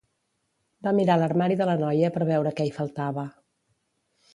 Va mirar l'armari de la noia per veure què hi faltava.